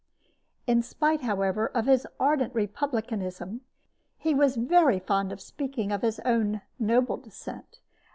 In spite, however, of his ardent republicanism, he was very fond of speaking of his own noble descent.